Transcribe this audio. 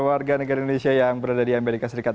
warga negara indonesia yang berada di amerika serikat